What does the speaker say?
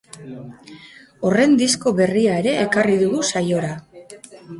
Horren disko berria ere ekarri dugu saiora.